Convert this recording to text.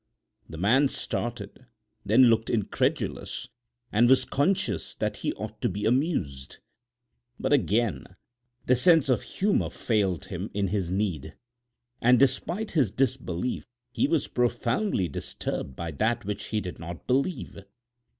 The man started, then looked incredulous and was conscious that he ought to be amused. But, again, the sense of humor failed him in his need and despite his disbelief he was profoundly disturbed by that which he did not believe.